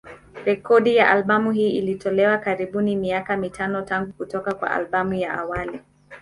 Rekodi ya albamu hii ilitolewa karibuni miaka mitano tangu kutoka kwa albamu ya awali.